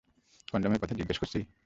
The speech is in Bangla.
কনডমের কথা জিজ্ঞেস করছি?